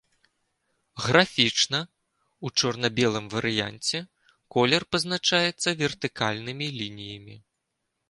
Графічна ў чорна-белым варыянце колер пазначаецца вертыкальнымі лініямі.